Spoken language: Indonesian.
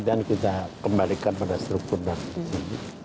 dan kita kembalikan pada struktur undang undang